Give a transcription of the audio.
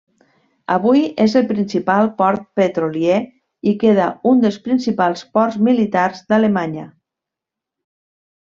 Avui és el principal port petrolier i queda un dels principals ports militars d'Alemanya.